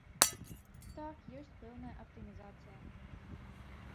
Так, ёсць пэўная аптымізацыя.